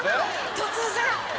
突然！